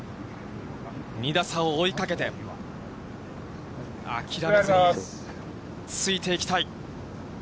２打差を追いかけて、諦めずについていきたい。